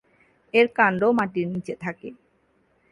এর কাণ্ড মাটির নিচে থাকে।